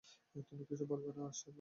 তুমি কিছু বলবে না, আর্সলান।